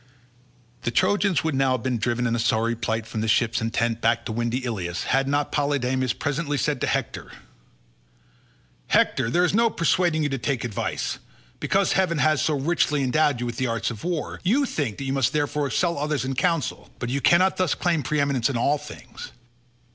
The Trojans would now have been driven in sorry plight from the ships and tents back to windy Ilius, had not Polydamas presently said to Hector, "Hector, there is no persuading you to take advice. Because heaven has so richly endowed you with the arts of war, you think that you must therefore excel others in counsel; but you cannot thus claim preeminence in all things.